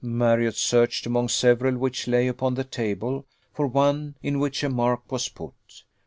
Marriott searched among several which lay upon the table, for one in which a mark was put.